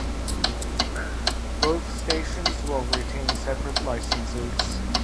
Both stations will retain separate licenses.